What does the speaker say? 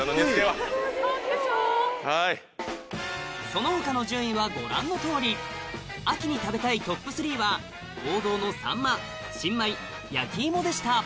その他の順位はご覧のとおり秋に食べたいトップ３は王道のサンマ新米焼き芋でした